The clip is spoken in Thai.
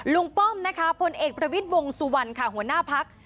ลุงป้อมพลเอกประวิทย์วงศ์สุวรรณค่ะหัวหน้าพักษณ์